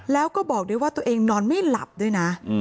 แล้วก็บอกด้วยว่าตัวเองนอนไม่หลับด้วยนะ